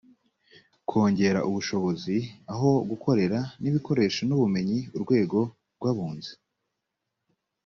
kongerera ubushobozi, aho gukorera n’ibikoresho n’ubumenyi urwego rw’abunzi.